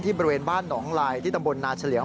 บริเวณบ้านหนองลายที่ตำบลนาเฉลียว